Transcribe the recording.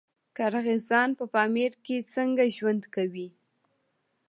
قرغیزان په پامیر کې څنګه ژوند کوي؟